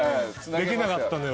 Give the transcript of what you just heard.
できなかったのよ